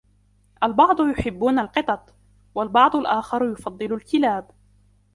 البعض يحبون القطط ، والبعض الآخر يفضل الكلاب.